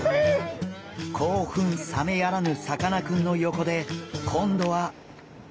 興奮冷めやらぬさかなクンの横で今度は。